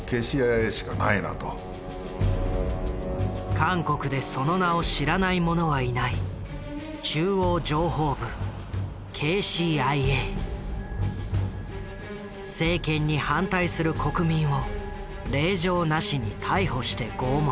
韓国でその名を知らない者はいない政権に反対する国民を令状なしに逮捕して拷問。